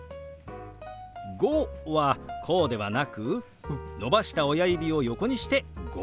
「５」はこうではなく伸ばした親指を横にして「５」。